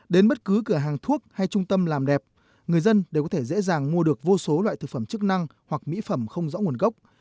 đến bất cứ cửa hàng thuốc hay trung tâm làm đẹp người dân đều có thể dễ dàng mua được vô số loại thực phẩm chức năng hoặc mỹ phẩm không rõ nguồn gốc